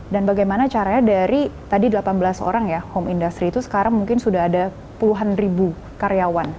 dan bagaimana caranya dari tadi delapan belas orang ya home industry itu sekarang mungkin sudah ada puluhan ribu karyawan